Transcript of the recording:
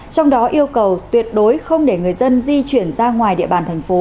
trong đó yêu cầu tuyệt đối không để người dân di chuyển ra ngoài địa bàn thành phố